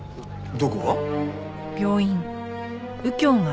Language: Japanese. どこが？